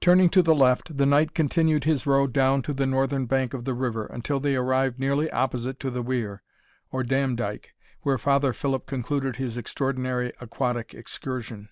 Turning to the left, the knight continued his road down to the northern bank of the river, until they arrived nearly opposite to the weir, or dam dike, where Father Philip concluded his extraordinary aquatic excursion.